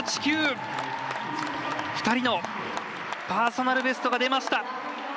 ２人のパーソナルベストが出ました。